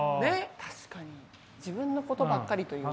確かに自分のことばっかりというか。